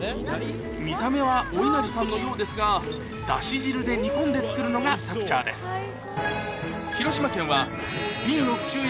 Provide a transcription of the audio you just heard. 見た目はおいなりさんのようですがだし汁で煮込んで作るのが特徴ですうん！